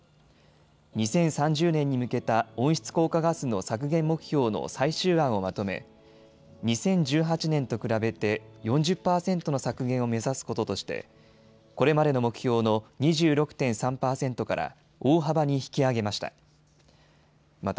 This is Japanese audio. ２０３０年に向けた温室効果ガスの削減目標の最終案をまとめ２０１８年と比べて４０％の削減を目指すこととしてこれまでの目標の２６．３％から大幅に引き上げました。